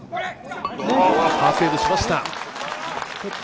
パーセーブしました。